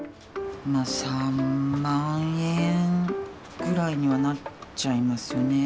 ３万円ぐらいにはなっちゃいますよね。